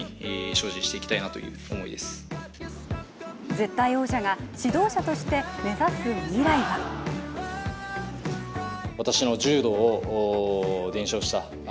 絶対王者が指導者として目指す未来は名誉とは